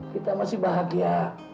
kita masih bahagia